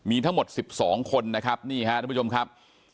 มีทั้งหมด๑๒คนนะครับนี่ฮะทุกผู้ชมครับ